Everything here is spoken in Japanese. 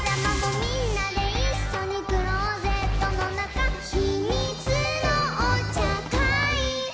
「みんなでいっしょにクローゼットのなか」「ひみつのおちゃかい」